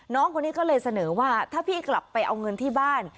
น้องคนนี้ก็เลยเสนอว่าถ้าพี่กลับไปเอาเงินที่บ้าน